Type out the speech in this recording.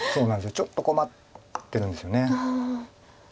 ちょっと困ってるんですよね。